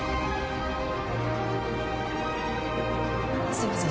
すいません